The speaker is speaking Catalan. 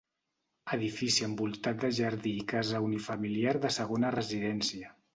Edifici envoltat de jardí i casa unifamiliar de segona residència.